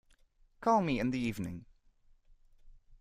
Call me in the evening.